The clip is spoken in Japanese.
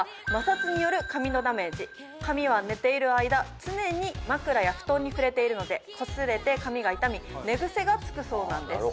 髪は寝ている間常に枕や布団に触れているのでこすれて髪が傷み寝癖がつくそうなんです。